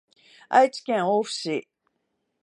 愛知県大府市